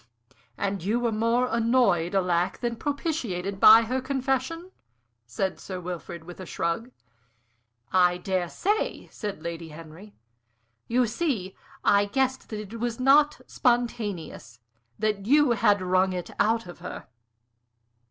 "And were more annoyed, alack! than propitiated by her confession?" said Sir Wilfrid, with a shrug. "I dare say," said Lady Henry. "You see, I guessed that it was not spontaneous; that you had wrung it out of her."